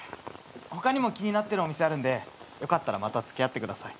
他にも気になってるお店あるんでよかったらまた付き合ってください。